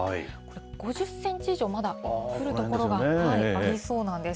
５０センチ以上、まだ降る所がありそうなんです。